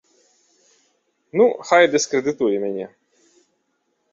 Ну, хай дыскрэдытуе мяне!